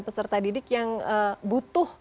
peserta didik yang butuh